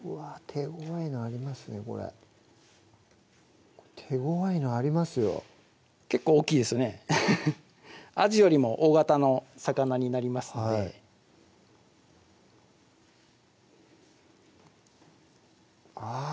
手ごわいのありますねこれ手ごわいのありますよ結構大きいですねアハハッあじよりも大型の魚になりますのであぁ